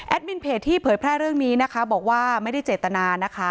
มินเพจที่เผยแพร่เรื่องนี้นะคะบอกว่าไม่ได้เจตนานะคะ